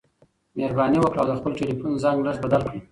مهرباني وکړه او د خپل ټیلیفون زنګ لږ بدل کړه.